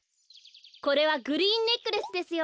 これはグリーンネックレスですよ。